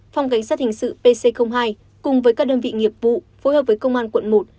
phòng cảnh sát hình sự pc hai cùng với các đơn vị nghiệp vụ phối hợp với công an quận một